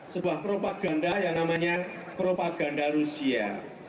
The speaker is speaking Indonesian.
sebuah propaganda yang namanya propaganda rusia